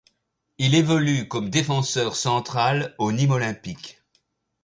Il évolue comme défenseur central au Nîmes Olympique.